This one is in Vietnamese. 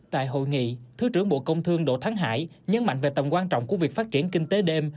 tại hội nghị thứ trưởng bộ công thương đỗ thắng hải nhấn mạnh về tầm quan trọng của việc phát triển kinh tế đêm